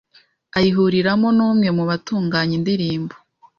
ayihuriramo n’umwe mu batunganya indirimbo